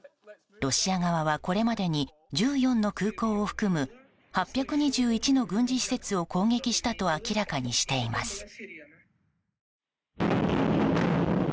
ロシア側はこれまでに１４の空港を含む８２１の軍事施設を攻撃したと明らかにしています。